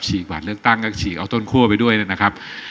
บัตรเลือกตั้งก็ฉีกเอาต้นคั่วไปด้วยนะครับ